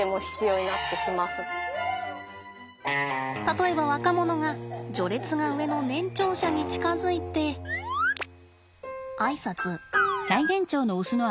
例えば若者が序列が上の年長者に近づいてあいさつ。